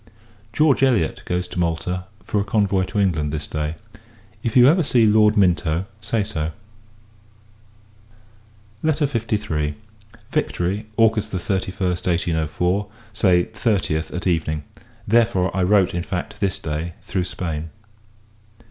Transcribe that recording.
George Elliot goes to Malta, for a convoy to England, this day. If you ever see Lord Minto, say so. LETTER LIII. Victory, August 31st, 1804 Say 30th, at Evening. Therefore, I wrote, in fact, this Day, through Spain.